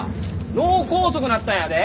脳梗塞なったんやで？